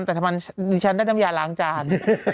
แต่ทำไมดิฉันได้น้ำยาล้างจาน